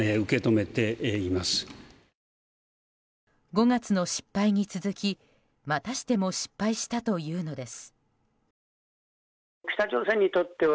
５月の失敗に続きまたしても失敗したというのです。